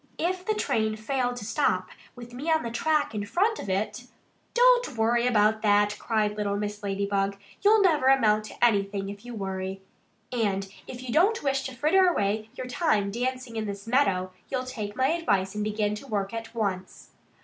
"If the train failed to stop, with me on the track in front of it " "Don't worry about that!" cried little Mrs. Ladybug. "You'll never amount to anything if you worry. And if you don't wish to fritter away your time dancing in this meadow, you'll take my advice and begin to work at once."